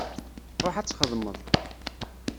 Ṛuḥ ad txedmeḍ.